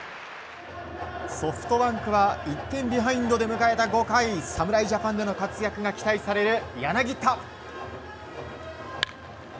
ソフトバンクは１点ビハインドで迎えた５回侍ジャパンでの活躍が期待される柳田。